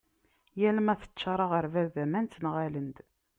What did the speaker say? yal ma teččar aγerbal d aman ttenγalen-d